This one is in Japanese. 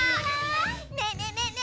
ねえねえねえねえ。